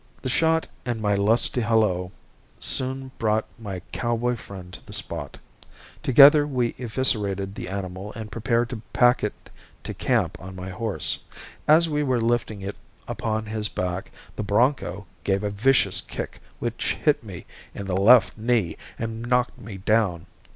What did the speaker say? The shot and my lusty halloo soon brought my cowboy friend to the spot. Together we eviscerated the animal and prepared to pack it to camp on my horse. As we were lifting it upon his back the bronco gave a vicious kick which hit me in the left knee and knocked me down.